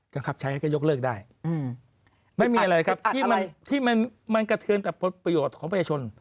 บังคับใช้ก็ยกเลิกได้ไม่มีอะไรครับที่มันกระเทือนกับประโยชน์ของประเทศชน